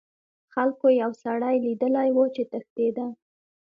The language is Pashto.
خلکو یو سړی لیدلی و چې تښتیده.